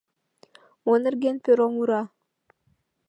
Мо нерген перо мура?